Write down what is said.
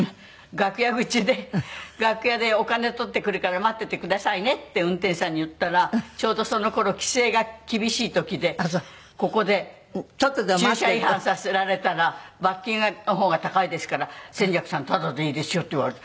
楽屋口で「楽屋でお金取ってくるから待っててくださいね」って運転手さんに言ったらちょうどその頃規制が厳しい時で「ここで駐車違反させられたら罰金の方が高いですから扇雀さんタダでいいですよ」って言われて。